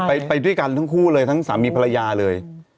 ไปด้วยกันทั้งคู่เลยทั้งสามีภรรยาเลย